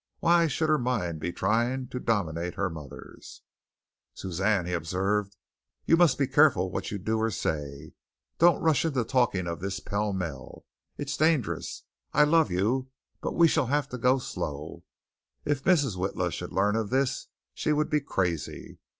Why should her mind be trying to dominate her mother's? "Suzanne," he observed, "you must be careful what you do or say. Don't rush into talking of this pellmell. It's dangerous. I love you, but we shall have to go slow. If Mrs. Witla should learn of this, she would be crazy.